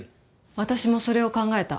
私もそれを考えた。